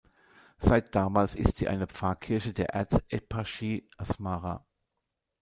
Seit damals ist sie eine Pfarrkirche der Erzeparchie Asmara.